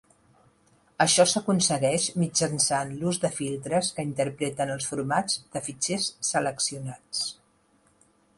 Això s'aconsegueix mitjançant l'ús de filtres que interpreten els formats de fitxers seleccionats.